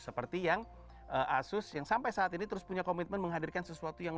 seperti yang asus yang sampai saat ini terus punya komitmen menghadirkan sesuatu yang